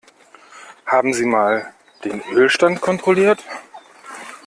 Haben Sie mal den Ölstand kontrolliert?